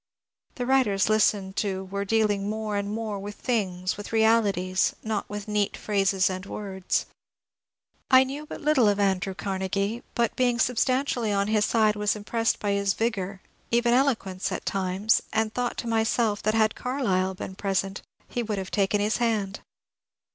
The writers listened to were dealing more and more with things, with realities, not with neat phrases and words. I knew but little of Andrew Carnegie, but being substantially on his side was impressed by his vigour, — even eloquence at times, — and thought to myself that had Carlyle been pre sent he would have taken his hand.